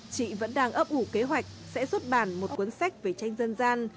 chị vẫn đang ấp ủ kế hoạch sẽ xuất bản một cuốn sách về tranh dân gian